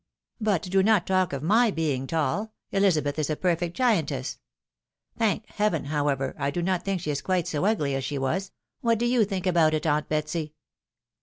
But do not talk of my being tall, EUzabeth is a perfect giantess ! Thank Heaven ! however, I do not think she is quite so ugly as she was — what do you think about it, aunt Betsy